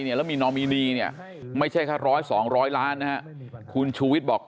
แล้วมีนอมินีเนี่ยไม่ใช่แค่ร้อยสองร้อยล้านนะฮะคุณชูวิทย์บอก